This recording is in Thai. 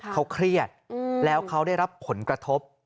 เขาเครียดแล้วเขาได้รับผลกระทบ